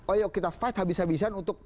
oh ya kita fight habis habisan untuk